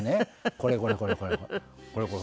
これこれこれこれこれ。